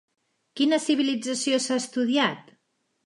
Quina civilització s'ha estudiat?